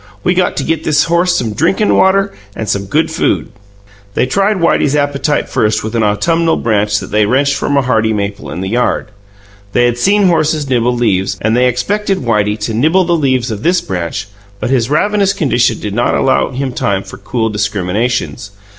"We got to get this horse some drinkin' water and some good food." They tried Whitey's appetite first with an autumnal branch that they wrenched from a hardy maple in the yard. They had seen horses nibble leaves, and they expected Whitey to nibble the leaves of this branch; but his ravenous condition did not allow him time for cool discriminations.